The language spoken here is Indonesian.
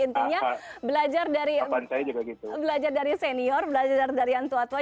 intinya belajar dari senior belajar dari yang tua tua